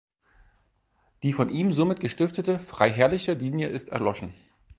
Die von ihm somit gestiftete freiherrliche Linie ist erloschen.